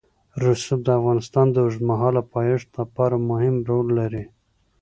رسوب د افغانستان د اوږدمهاله پایښت لپاره مهم رول لري.